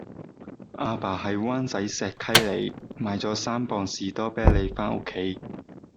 亞爸喺灣仔石溪里買左三磅士多啤梨返屋企